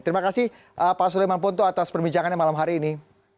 terima kasih pak suleman ponto atas perbincangannya malam hari ini